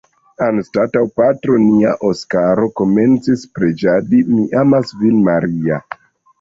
Anstataŭ “Patro nia Oskaro komencis preĝadi Mi amas vin, Maria.